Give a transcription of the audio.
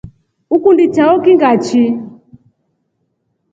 Ukundi chao kii ngachi.